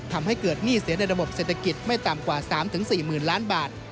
ทำให้เกิดหนี้เสียในระบบเศรษฐกิจไม่ต่ำกว่า๓๔๐๐๐ล้านบาท